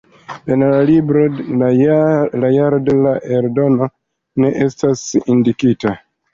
En la libro la jaro de la eldono ne estas indikita.